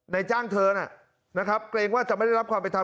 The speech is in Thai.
ในจ้างเธอนะครับเกรงว่าจะไม่ได้รับความเป็นธรรม